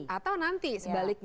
atau nanti sebaliknya